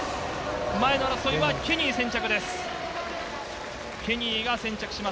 前の争いはケニー先着です。